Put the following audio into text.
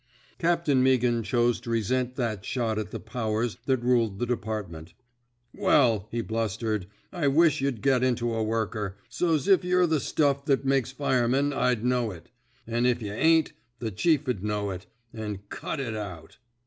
Captain Meaghan chose to resent that shot at the powers that ruled the department. Well," he blustered, I wish yuh'd get into a * worker,' so's if yuh're the stuff that makes firemen I'd know it; an' if y' ain't, the chief 'd know it — an' cut it out."